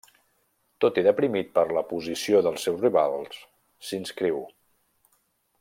Tot i deprimit per la posició dels seus rivals, s'inscriu.